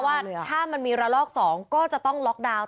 นายกคุณนะว่าถ้ามันมีละลอก๒ก็จะต้องล็อกดาวน์